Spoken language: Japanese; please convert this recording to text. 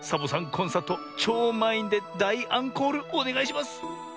コンサートちょうまんいんでだいアンコールおねがいします！